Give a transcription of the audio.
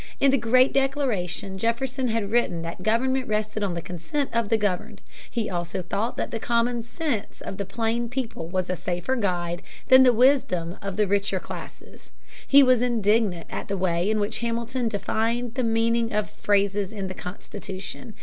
In the Great Declaration Jefferson had written that government rested on the consent of the governed. He also thought that the common sense of the plain people was a safer guide than the wisdom of the richer classes. He was indignant at the way in which Hamilton defined the meaning of phrases in the Constitution.